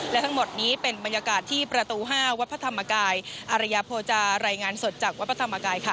และทั้งหมดนี้เป็นบรรยากาศที่ประตู๕วัดพระธรรมกายอารยาโภจารายงานสดจากวัดพระธรรมกายค่ะ